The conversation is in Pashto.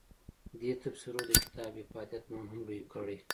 دې تبصرو د کتاب افادیت نور هم لوی کړی.